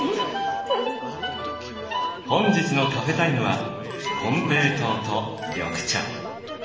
本日のカフェタイムは金平糖と緑茶。